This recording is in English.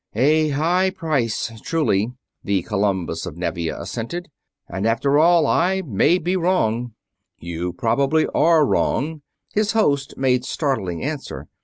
"A high price, truly," the Columbus of Nevia assented. "And after all, I may be wrong." "You probably are wrong," his host made startling answer.